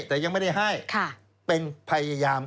แต่ยังไม่ได้ให้เป็นพยายาม